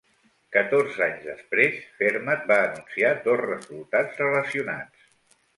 Catorze anys després, Fermat va anunciar dos resultats relacionats.